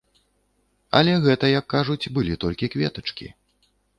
Але гэта, як кажуць, былі толькі кветачкі.